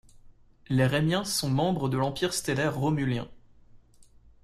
Les Rémiens sont membres de l'Empire Stellaire Romulien.